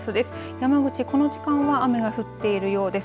山口、この時間は雨が降っているようです。